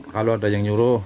kalau ada yang nyuruh